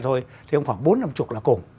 thôi thì khoảng bốn năm chục là